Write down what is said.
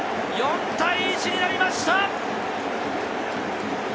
４対１になりました！